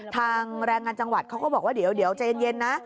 แรงงานจังหวัดเขาก็บอกว่าเดี๋ยวใจเย็นนะ